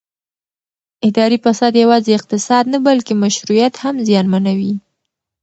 اداري فساد یوازې اقتصاد نه بلکې مشروعیت هم زیانمنوي